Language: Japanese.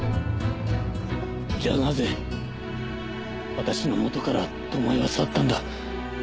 じゃあなぜ私のもとから友恵は去ったんだ。